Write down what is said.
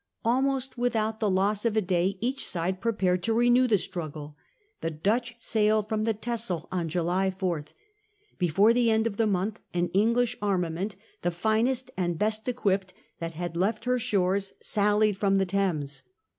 Almost without the loss of a day each side prepared to renew the struggle. The Dutch sailed from the Texei on July 4. Before the end of the month an English armament, the finest and best equipped that had left her B shores, sallied from the Thames.